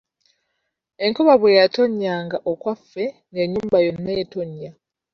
Enkuba bwe yatonnyanga okwaffe ng’ennyumba yonna etonnya.